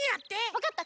わかった！